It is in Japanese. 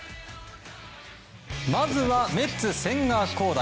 まずはメッツ、千賀滉大。